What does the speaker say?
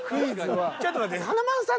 ちょっと待って。